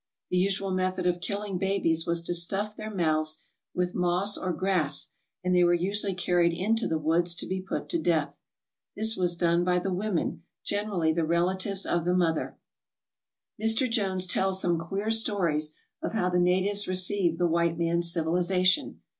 The usual method of killing babies was to stuff their mouths with moss or grass, and they were usually carried into the woods to be put to death. This was done by the women, generally the rela tives of the mother. Mr. Jones tells some queer stories of how the natives received the white man's civilization.